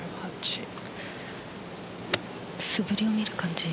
素振りを見る感じ